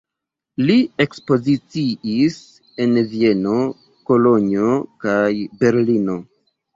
Li ekspoziciis en Vieno, Kolonjo kaj Berlino.